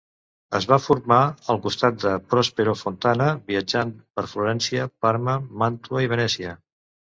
Es va formar al costat de Prospero Fontana, viatjant per Florència, Parma, Màntua i Venècia.